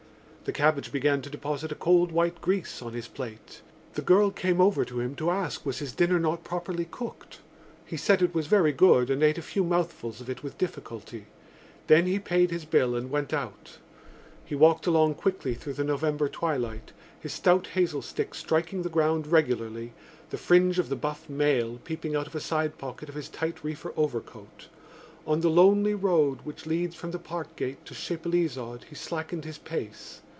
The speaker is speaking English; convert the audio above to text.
The cabbage began to deposit a cold white grease on his plate. The girl came over to him to ask was his dinner not properly cooked. He said it was very good and ate a few mouthfuls of it with difficulty. Then he paid his bill and went out. He walked along quickly through the November twilight, his stout hazel stick striking the ground regularly, the fringe of the buff Mail peeping out of a side pocket of his tight reefer overcoat. On the lonely road which leads from the Parkgate to Chapelizod he slackened his pace.